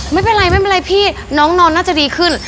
ไม่เป็นไรพี่น้องนอนน่าจะดีขึ้น